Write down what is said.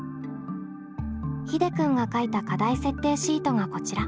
ひでくんが書いた課題設定シートがこちら。